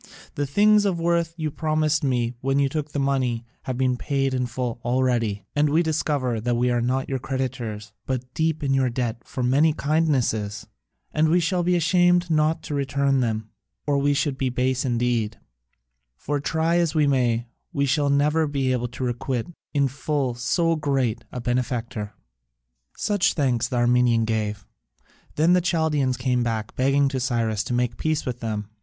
The things of worth you promised me when you took the money have been paid in full already, and we discover that we are not your creditors, but deep in your debt for many kindnesses; and we shall be ashamed not to return them, or we should be base indeed, for try as we may, we shall never be able to requite in full so great a benefactor." Such thanks the Armenian gave. Then the Chaldaeans came back, begging Cyrus to make peace with them.